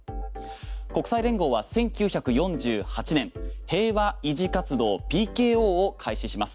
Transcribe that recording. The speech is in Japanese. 国際連合は１９４８年平和維持活動・ＰＫＯを開始します。